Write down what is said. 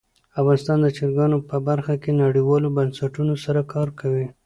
افغانستان د چرګانو په برخه کې نړیوالو بنسټونو سره کار کوي.